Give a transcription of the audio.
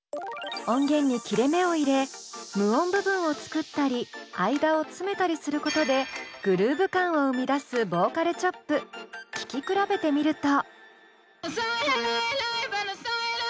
音源に切れ目を入れ無音部分を作ったり間を詰めたりすることでグルーヴ感を生み出す聴き比べてみると。